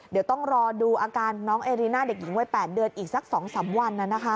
เดี๋ยวต้องรอดูอาการน้องเอรีน่าเด็กหญิงวัย๘เดือนอีกสัก๒๓วัน